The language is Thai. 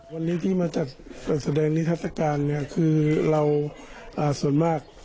วันนี้ที่มาจัดแสดงนิทัศกาลเนี่ยคือเราส่วนมาก